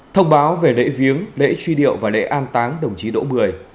thông báo về lễ viếng lễ truy điệu và lễ an táng đồng chí đỗ mười